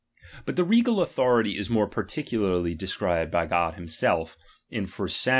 But the regal authority is more particularly de scribed by God himself, in 1 Sam.